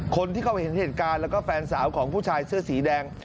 คนที่เขาเห็นเหตุการณ์แล้วก็แฟนสาวของผู้ชายเสื้อสีแดง